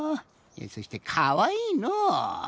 そしてかわいいのう。